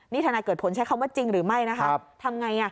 นี่ทนายเกิดผลใช้คำว่าจริงหรือไม่นะคะทำไง